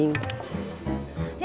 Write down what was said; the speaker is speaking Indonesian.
kang ujang kenapa